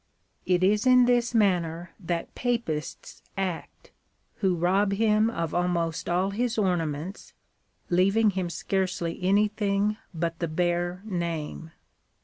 It is in this manner that Papists act, who rob him of almost all his or naments, leaving him scarcely anything but the bare name.